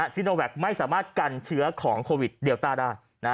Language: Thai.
ซิโนแวคไม่สามารถกันเชื้อของโควิดเดลต้าได้